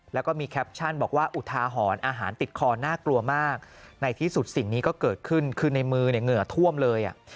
แล้วก็มีแคปชั่นบอกว่าอุทาหรณ์อาหารติดคอน่ากลัวมากในที่สุดสิ่งนี้ก็เกิดขึ้นคือในมือเนี่ยเหงื่อท่วมเลย